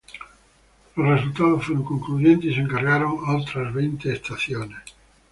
Los resultados fueron concluyentes y se encargaron otras veinte estaciones.